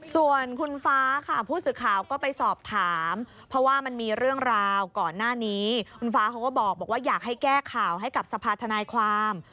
ส่วนคุณฟ้าค่ะผู้สื่อข่าวก็ไปสอบถามเพราะว่ามันมีเรื่องราวก่อนหน้านี้คุณฟ้าเขาก็บอกว่าอยากให้แก้ข่าวให้กับสภาธนายความ